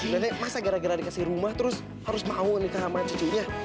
sebenarnya masa gara gara dikasih rumah terus harus mau menikah sama cucunya